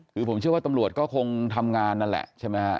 คือผมเชื่อว่าตำรวจก็คงทำงานนั่นแหละใช่ไหมฮะ